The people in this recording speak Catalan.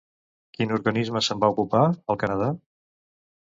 Quin organisme se'n va ocupar, al Canadà?